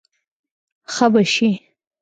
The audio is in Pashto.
ښه به شې.